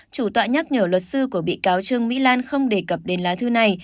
chủ tọa nhắc nhở luật sư của bị cáo trương mỹ lan không đề cập đến lá thư này